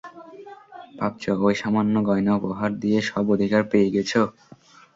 ভাবছ, ঐ সামান্য গয়না উপহার দিয়ে সব অধিকার পেয়ে গেছ?